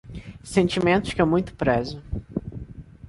Sentimentos que eu muito prezo.